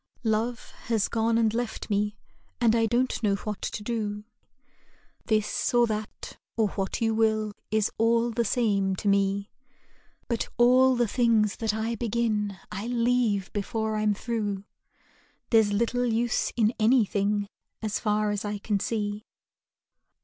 Love has gone and left me and I don't know what to do; This or that or what you will is all the same to me; But all the things that I begin I leave before I'm through, There's little use in anything as far as I can see.